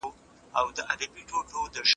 زه نشم کولی چې په دې ګرمۍ کې کار وکړم.